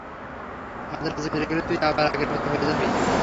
মাদ্রাজে ফিরে গেলে, তুই আবার আগের মতো হয়ে যাবি।